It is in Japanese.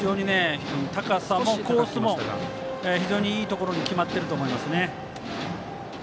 高さもコースも非常にいいところに決まっていると思います。